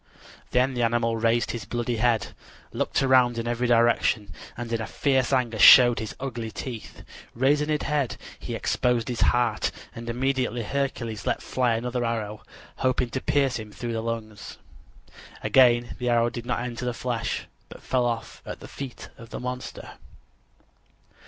Then the animal raised his bloody head; looked around in every direction, and in fierce anger showed his ugly teeth. Raising his head, he exposed his heart, and immediately Hercules let fly another arrow, hoping to pierce him through the lungs. Again the arrow did not enter the flesh, but fell at the feet of the monster.